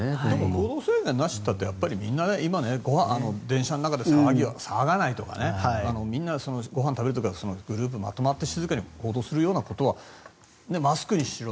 行動制限なしっていったってやっぱりみんな電車の中で騒がないとかみんなご飯を食べる時はグループまとまって静かに行動するようなことはマスクにしろ